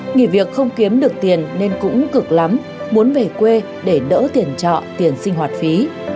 nghỉ việc không kiếm được tiền nên cũng cực lắm muốn về quê để đỡ tiền trọ tiền sinh hoạt phí